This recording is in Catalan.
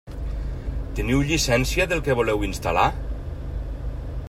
Teniu llicència del que voleu instal·lar?